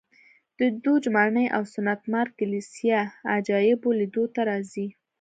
د دوج ماڼۍ او سنټ مارک کلیسا عجایبو لیدو ته راځي